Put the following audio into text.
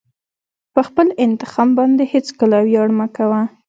په خپل انتخاب باندې هېڅکله ویاړ مه کوه.